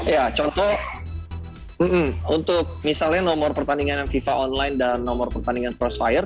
ya contoh untuk misalnya nomor pertandingan fifa online dan nomor pertandingan crossfire